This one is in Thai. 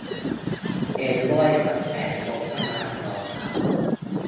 เห็นด้วยกับแผนงบประมาณของรัฐ